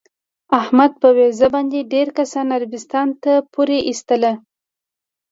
احمد په ویزه باندې ډېر کسان عربستان ته پورې ایستل.